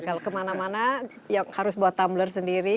kalau kemana mana yang harus buat tumbler sendiri